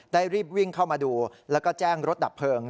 รีบวิ่งเข้ามาดูแล้วก็แจ้งรถดับเพลิง